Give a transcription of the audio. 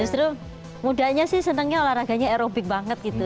justru mudanya sih senangnya olahraganya aerobik banget gitu